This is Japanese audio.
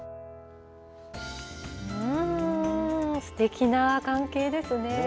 すてきな関係ですね。